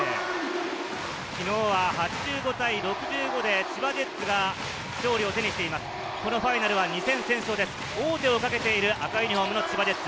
昨日は８５対６５で千葉ジェッツが勝利を手にしています。